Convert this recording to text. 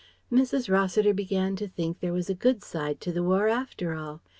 Mrs. Rossiter began to think there was a good side to the War, after all.